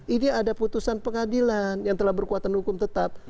ini ada putusan pengadilan yang telah berkuatan hukum tetap